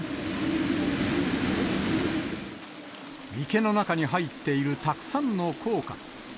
池の中に入っているたくさんの硬貨。